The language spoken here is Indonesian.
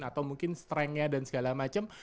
atau mungkin strengenya dan segala macem